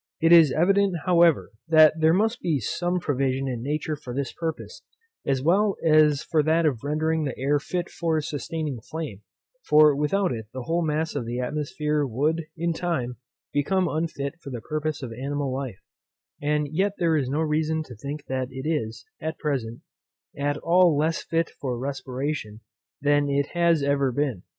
It is evident, however, that there must be some provision in nature for this purpose, as well as for that of rendering the air fit for sustaining flame; for without it the whole mass of the atmosphere would, in time, become unfit for the purpose of animal life; and yet there is no reason to think that it is, at present, at all less fit for respiration than it has ever been.